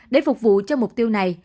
để phục vụ cho mục tiêu này